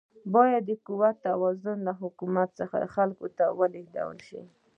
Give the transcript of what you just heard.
باید د قدرت توازن له حکومت څخه خلکو ته ولیږدول شي.